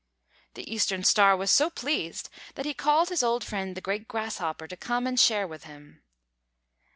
The Eastern Star was so pleased that he called his old friend the Great Grasshopper to come and share with him.